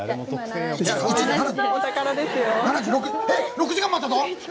６時間待った。